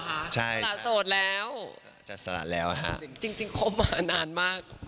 อ้าวเหรอคะจัดสลัดโสดแล้วจัดสลัดแล้วค่ะจริงครบมานานมาก